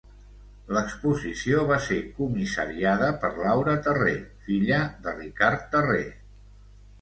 L'exposició va ser comissariada per Laura Terré, filla de Ricard Terré.